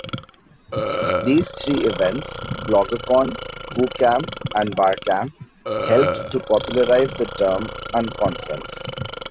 These three events, BloggerCon, Foo Camp and BarCamp helped to popularize the term "unconference".